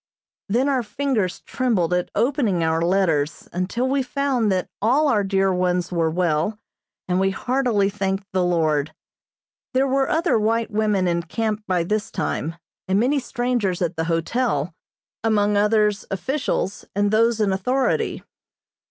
Then our fingers trembled at opening our letters until we found that all our dear ones were well, and we heartily thanked the Lord. There were other white women in camp by this time, and many strangers at the hotel, among others, officials, and those in authority.